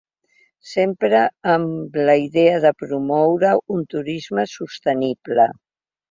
Sempre amb la idea de promoure un turisme sostenible.